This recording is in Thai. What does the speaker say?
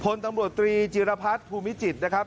พลตำรวจตรีจิรพัฒน์ภูมิจิตรนะครับ